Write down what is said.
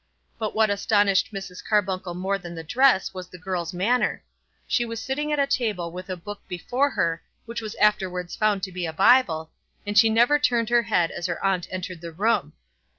But what astonished Mrs. Carbuncle more than the dress was the girl's manner. She was sitting at a table with a book before her, which was afterwards found to be the Bible, and she never turned her head as her aunt entered the room.